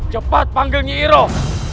cepat panggil nyi iroh